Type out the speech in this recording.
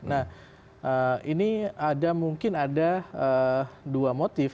nah ini ada mungkin ada dua motif